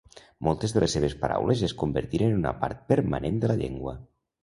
Moltes de les seves paraules es convertiren en una part permanent de la llengua.